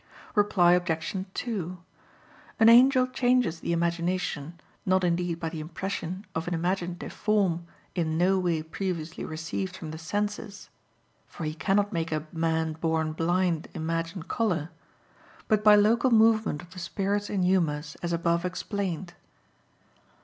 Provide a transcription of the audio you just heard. Reply Obj. 2: An angel changes the imagination, not indeed by the impression of an imaginative form in no way previously received from the senses (for he cannot make a man born blind imagine color), but by local movement of the spirits and humors, as above explained.